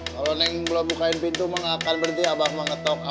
kalau neng belum bukain pintu mah gak akan berhenti abang mah ngetok abang